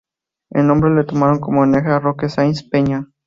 El nombre lo tomaron como homenaje a Roque Sáenz Peña.